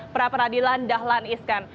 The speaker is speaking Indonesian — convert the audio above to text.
pra peradilan dahlan iskan